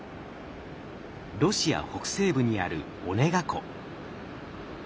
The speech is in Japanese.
ロシア北西部にあるオネガ湖。